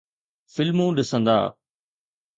فلمون ڏسندا